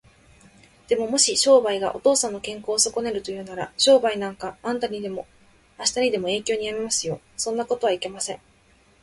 でも、もし商売がお父さんの健康をそこねるというのなら、商売なんかあしたにでも永久にやめますよ。そんなことはいけません。